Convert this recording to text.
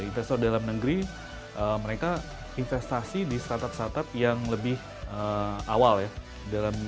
investor dalam negeri mereka investasi di startup startup yang lebih awal ya